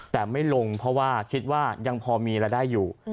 แต่ไม่ลงเพราะว่าคิดว่ายังพอมีรายได้อยู่